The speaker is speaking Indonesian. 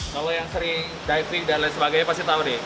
kalau yang sering diving dan lain sebagainya pasti tahu nih